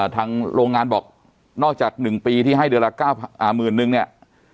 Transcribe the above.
โรงงานบอกนอกจาก๑ปีที่ให้เดือนละหมื่นนึงเนี่ย